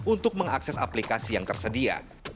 untuk mengakses aplikasi yang tersedia